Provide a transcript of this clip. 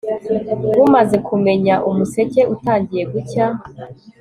Bumaze kumenya umuseke utangiye gucya